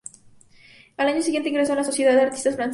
Al año siguiente ingresó en la Sociedad de Artistas Franceses.